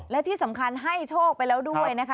และที่สำคัญให้โชคไปแล้วด้วยนะคะ